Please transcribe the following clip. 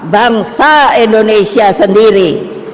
bangsa indonesia sendiri